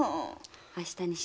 明日にしよ。